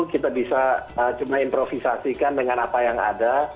kita bisa cuma improvisasikan dengan apa yang ada